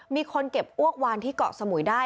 มีคนเก็บอ้วกวานที่เกาะสมุยได้